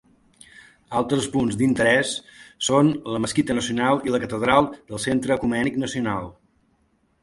Altres punts d'interès són la Mesquita Nacional i la catedral del Centre Ecumènic Nacional.